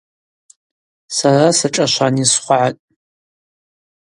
Сара сашӏашван йсхвгӏатӏ.